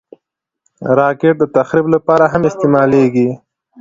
راکټ د تخریب لپاره هم استعمالېږي